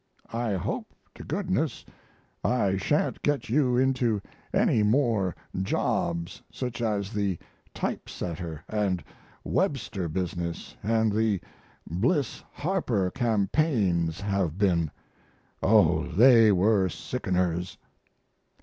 ["I hope to goodness I sha'n't get you into any more jobs such as the type setter and Webster business and the Bliss Harper campaigns have been. Oh, they were sickeners."